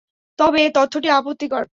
তবে এ তথ্যটি আপত্তিকর।